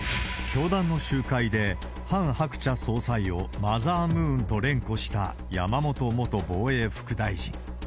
教団の集会で、ハン・ハクチャ総裁をマザームーンと連呼した、山本元防衛副大臣。